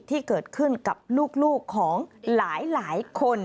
ที่เกิดขึ้นกับลูกของหลายคน